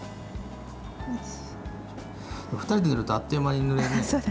２人で塗るとあっという間に塗れるね。